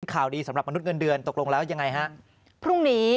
ข่าวดีสำหรับมนุษย์เงินเดือนตกลงแล้วยังไงฮะพรุ่งนี้